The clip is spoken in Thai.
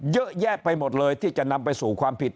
เยอะแยะไปหมดเลยที่จะนำไปสู่ความผิด